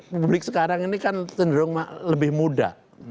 publik sekarang ini kan cenderung lebih muda